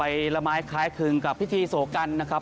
ไฟละไม้คล้ายคืนกับพิธีโสกรรมนะครับ